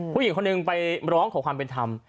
ผู้หญิงคนหนึ่งไปร้องขอความเป็นธรรม